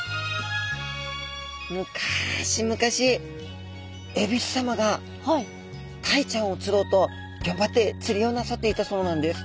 むかしむかしえびす様がタイちゃんを釣ろうとがんばって釣りをなさっていたそうなんです。